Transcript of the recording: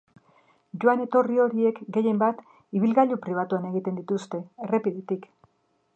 Joan-etorri horiek gehienbat ibilgailu pribatuan egiten dituzte, errepidetik.